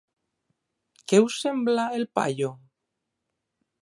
Què us sembla, el paio?